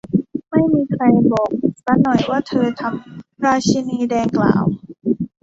ไม่มีใครบอกซะหน่อยว่าเธอทำ ราชินีแดงกล่าว